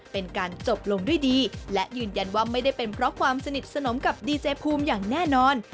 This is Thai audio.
เป็นการจบลงด้วยดีและยืนยันว่าไม่ได้เป็นเพราะความสนิทสนมกับดีเจภูมิอย่างแน่นอน